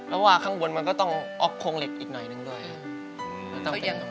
เพราะว่าข้างบนมันก็ต้องออกโครงเหล็กอีกหน่อยหนึ่งด้วย